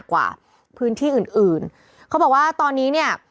เขาบอกว่าตอนนี้เนี่ย